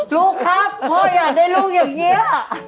ลูกครับพ่ออยากได้ลูกอย่างนี้